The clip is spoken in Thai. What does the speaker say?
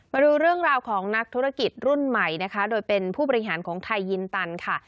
มาดูเรื่องราวของนักธุรกิจรุ่นใหม่นะคะโดยเป็นผู้บริหารของไทยยินตันค่ะ